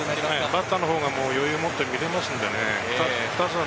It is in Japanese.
バッターのほうは余裕を持って見られますので。